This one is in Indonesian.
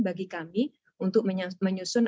bagi kami untuk menyusun